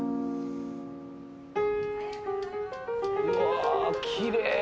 うわあ、きれい。